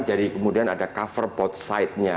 jadi kemudian ada cover both side nya